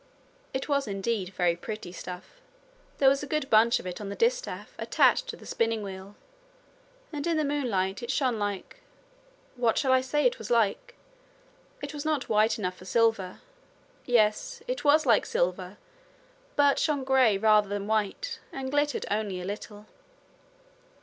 It was indeed very pretty stuff. There was a good bunch of it on the distaff attached to the spinning wheel, and in the moonlight it shone like what shall I say it was like? It was not white enough for silver yes, it was like silver, but shone grey rather than white, and glittered only a little.